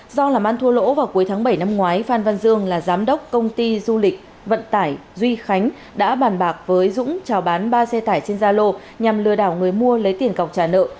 do làm ăn thua lỗ vào cuối tháng bảy năm ngoái phan văn dương là giám đốc công ty du lịch vận tải duy khánh đã bàn bạc với dũng trào bán ba xe tải trên gia lô nhằm lừa đảo người mua lấy tiền cọc trả nợ